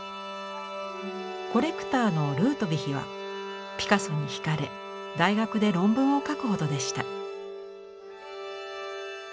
コレクターのルートヴィヒはピカソにひかれ大学で論文を書くほどでした。